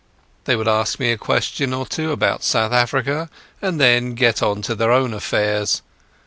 They would fling me a question or two about South Africa, and then get on to their own affairs.